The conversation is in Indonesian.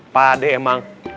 pak deh emang